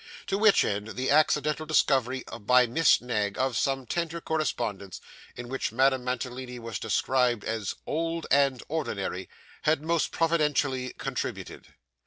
To which end, the accidental discovery by Miss Knag of some tender correspondence, in which Madame Mantalini was described as 'old' and 'ordinary,' had most providentially contributed.